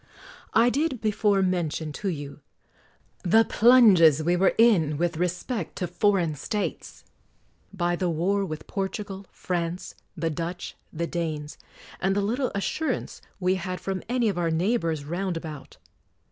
I did before mention to you the plunges we were in with respect to foreign States; by the war with Portugal, France, the Dutch, the Danes, and the little assurance we had from any of our neighbors round about.